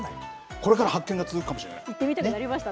これから発展が続くかもしれない。